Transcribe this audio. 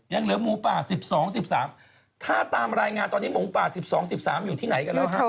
ยังเหลือหมูป่า๑๒๑๓ถ้าตามรายงานตอนนี้หมูป่า๑๒๑๓อยู่ที่ไหนกันแล้วฮะ